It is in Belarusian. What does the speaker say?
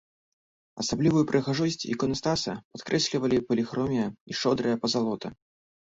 Асаблівую прыгажосць іканастаса падкрэслівалі паліхромія і шчодрая пазалота.